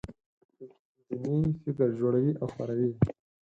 دیني فکر جوړوي او خپروي یې.